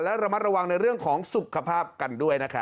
และระมัดระวังในเรื่องของสุขภาพกันด้วยนะครับ